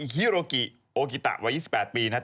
ฮิโรกิโอกิตะวัย๒๘ปีนะครับ